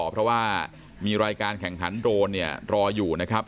เพราะว่ามีรายการแข่งขันโดรนเนี่ยรออยู่นะครับ